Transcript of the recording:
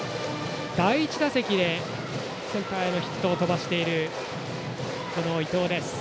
第１打席でセンターへのヒットを飛ばしている伊藤。